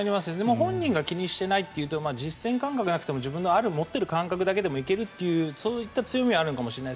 本人が気にしていないと言っているので実戦感覚がなくても自分の持っている感覚だけでもやれるというそういった強みはあるのかもしれません。